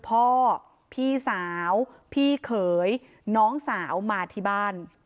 พี่สาวพี่เขยน้องสาวมาที่บ้าน